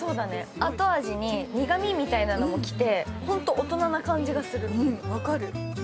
後味に苦みみたいなのもきて本当、大人な感じがする。